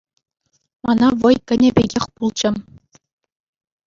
Мана вӑй кӗнӗ пекех пулчӗ.